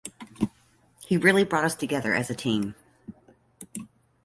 He really brought us together as a team.